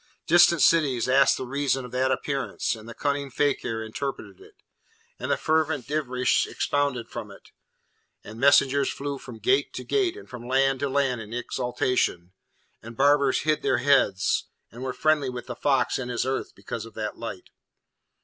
Distant cities asked the reason of that appearance, and the cunning fakir interpreted it, and the fervent dervish expounded from it, and messengers flew from gate to gate and from land to land in exultation, and barbers hid their heads, and were friendly with the fox in his earth, because of that light.